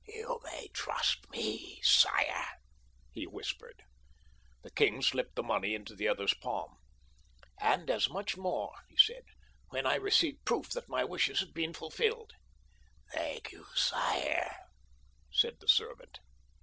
"You may trust me, sire," he whispered. The king slipped the money into the other's palm. "And as much more," he said, "when I receive proof that my wishes have been fulfilled." "Thank you, sire," said the servant.